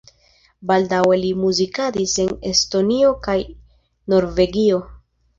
Baldaŭe li muzikadis en Estonio kaj Norvegio.